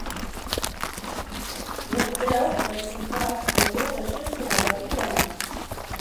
Hja fertelt dat sûnt koart har jongere suske by har wennet.